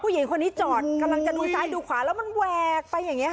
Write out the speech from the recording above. หญิงคนนี้จอดกำลังจะดูซ้ายดูขวาแล้วมันแหวกไปอย่างนี้ค่ะ